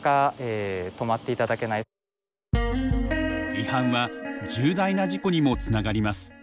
違反は重大な事故にもつながります。